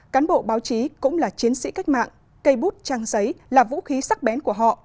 cán bộ báo chí cũng là chiến sĩ cách mạng cây bút trang giấy là vũ khí sắc bén của họ